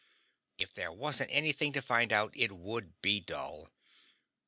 If there wasn't anything to find out, it would be dull.